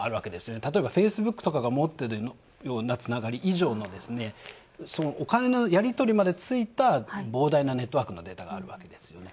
例えば、フェイスブックなどが持っているつながり以上の、お金のやり取りまでついた膨大なネットワークのデータがあるわけですよね。